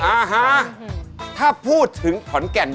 ฮ่าฮะถ้าพูดถึงขอนแก่น